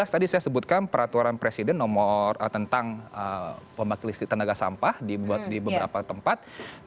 dua ribu enam belas tadi saya sebutkan peraturan presiden tentang pemakil listrik tenaga sampah di beberapa tempat